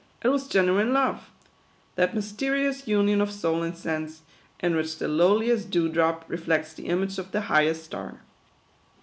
It was genuine love; that mysterious union of soul and sense, in which the lowliest dew drop reflects the image of the highest star.